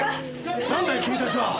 なんだい君たちは！